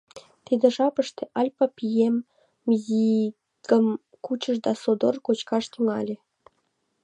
Тиде жапыште Альпа пием мызигым кучыш да содор кочкаш тӱҥале.